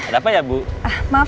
baasah si mbak